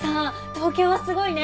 東京はすごいね。